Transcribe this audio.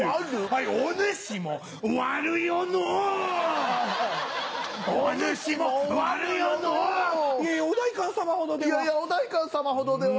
いやいやお代官様ほどでは。